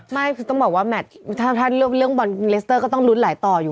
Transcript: ไม่คือต้องบอกว่าแมทถ้าเรื่องบอลเลสเตอร์ก็ต้องลุ้นหลายต่ออยู่